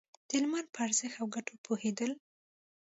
د لمر په ارزښت او گټو پوهېدل.